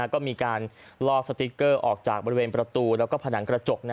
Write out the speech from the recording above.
ก็มีการลอกสติ๊กเกอร์ออกจากบริเวณประตูแล้วก็ผนังกระจก